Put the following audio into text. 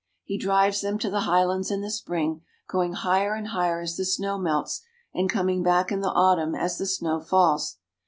He drives them to the highlands in the spring, going higher and higher as the snow melts, and coming back in the autumn as the snow falls.